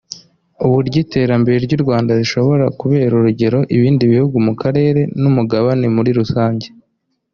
uburyo iterambere ry’u Rwanda rishobora kubera urugero ibindi bihugu mu karere n’umugabane muri rusange